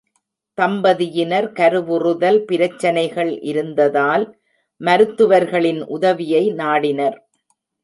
தம்பதியினர் கருவுறுதல் பிரச்சினைகள் இருந்ததால் மருத்துவர்களின் உதவியை நாடினர்.